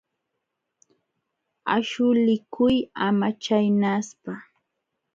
Aśhulikuy ama chaynaspa.